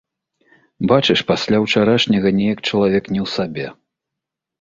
Бачыш, пасля ўчарашняга неяк чалавек не ў сабе.